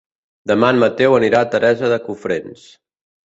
Demà en Mateu anirà a Teresa de Cofrents.